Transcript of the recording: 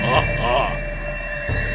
mereka akan kembali ke perjalanan